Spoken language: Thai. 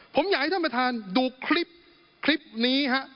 ผมอยากให้ท่านประธานดูคลิปคลิปนี้ฮะ